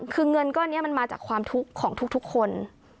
คือเงินก้อนนี้มันมาจากความทุกข์ของทุกคน